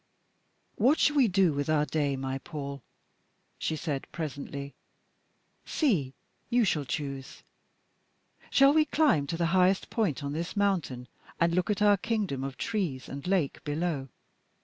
"What shall we do with our day, my Paul?" she said presently. "See, you shall choose. Shall we climb to the highest point on this mountain and look at our kingdom of trees and lake below?